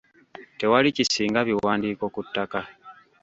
Tewali kisinga biwandiiko ku ttaka.